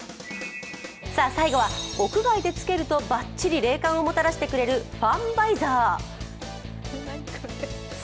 最後は屋外でつけるとばっちり冷感をもたらしてくれるファンバイザー。